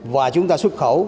và chúng ta xuất khẩu